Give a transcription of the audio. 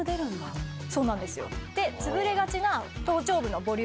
そうなんですよ。